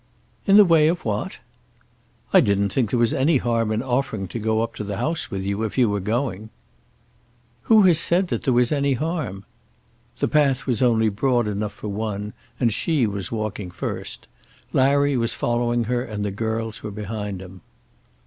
"In the way of what?" "I didn't think there was any harm in offering to go up to the house with you if you were going." "Who has said there was any harm?" The path was only broad enough for one and she was walking first. Larry was following her and the girls were behind him.